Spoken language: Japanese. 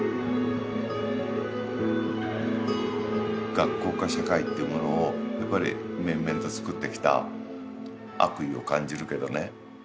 学校化社会っていうものをやっぱり綿々と作ってきた悪意を感じるけどね。